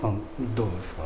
どうですか？